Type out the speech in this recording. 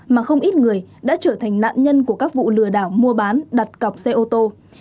mà không ít người đã trở thành nạn nhân của các vụ lừa đảo mua bán đặt cọc xe ô tô